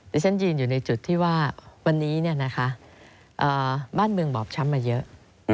ที่ฉันยืนอยู่ในจุดที่ว่าวันนี้บ้านเมืองบอบช้ำมาเยอะ